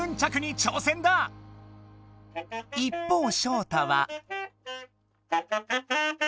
一方ショウタは。